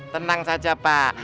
tenang saja pak